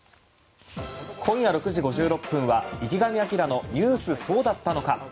今夜６時５６分は「池上彰のニュースそうだったのか！！」。